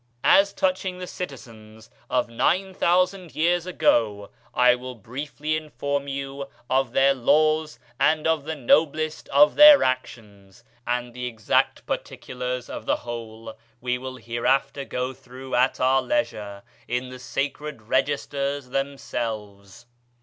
As touching the citizens of 9000 years ago, I will briefly inform you of their laws and of the noblest of their actions; and the exact particulars of the whole we will hereafter go through at our leisure, in the sacred registers themselves.